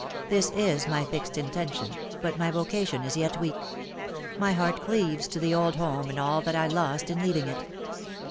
This is my fixed intention, but my vocation is yet weak. My heart cleaves to the old home and all that I lost in leaving it.